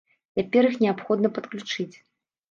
Цяпер іх неабходна падключыць.